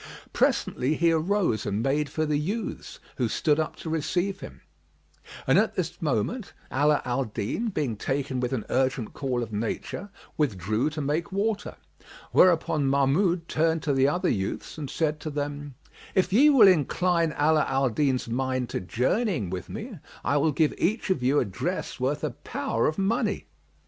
Presently he arose and made for the youths, who stood up to receive him; and at this moment Ala Al Din being taken with an urgent call of Nature, withdrew to make water; whereupon Mahmud turned to the other youths and said to them, "If ye will incline Ala al Din's mind to journeying with me, I will give each of you a dress worth a power of money."